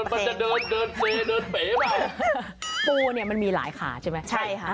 มันจะเดินเดินเปย์เดินเป๋ไปปูเนี่ยมันมีหลายขาใช่ไหมใช่ค่ะ